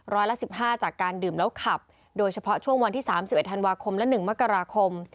ร้อยละ๑๕จากการดื่มแล้วขับโดยเฉพาะช่วงวันที่๓๑ธันวาคมและ๑มกราคม